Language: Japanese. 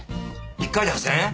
１回で８，０００円！？